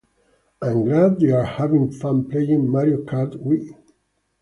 I'm glad they're having fun playing Mario Kart Wii.